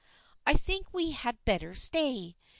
I think we had better stay.